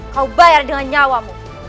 kau bayar dengan nyawamu